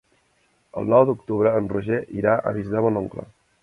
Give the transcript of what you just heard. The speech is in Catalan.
El nou d'octubre en Roger irà a visitar mon oncle.